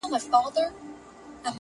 اوس د ماشوخېل زاړه خوبونه ریشتیا کېږي،